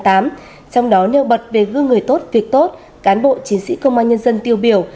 trong đó nêu bật về gương người tốt việc tốt cán bộ chiến sĩ công an nhân dân tiêu biểu